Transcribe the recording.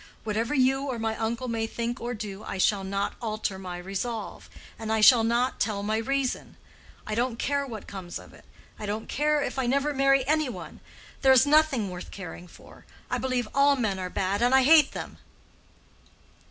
"Whatever you or my uncle may think or do, I shall not alter my resolve, and I shall not tell my reason. I don't care what comes of it. I don't care if I never marry any one. There is nothing worth caring for. I believe all men are bad, and I hate them."